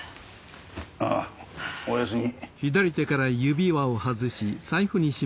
あぁおやすみ。